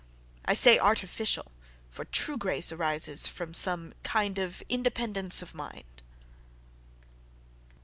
I say artificial, for true grace arises from some kind of independence of mind.